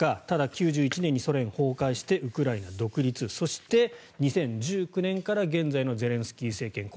ただ、９１年にソ連崩壊してウクライナ独立そして２０１９年から現在のゼレンスキー政権。